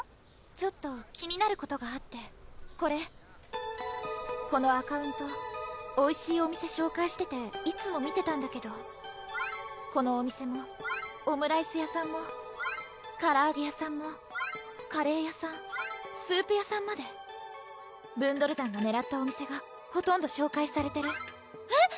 ちょっと気になることがあってこれこのアカウントおいしいお店紹介してていつも見てたんだけどこのお店もオムライス屋さんもからあげ屋さんもカレー屋さんスープ屋さんまでブンドル団がねらったお店がほとんど紹介されてるえっ！